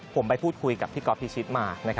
ผมไปพูดคุยกับพี่ก๊อฟพิชิตมา